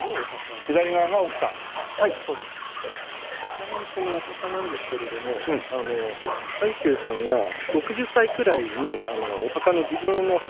ちなみにこのお墓なんですけれども海舟さんが６０歳くらいに自分のお墓